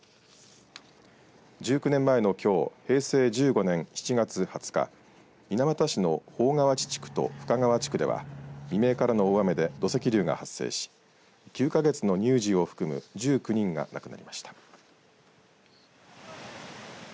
１９年前のきょう平成１５年７月２０日水俣市の宝川内地区と深川地区では未明からの大雨で土石流が発生し９か月の乳児を含む１９人が亡くなりました。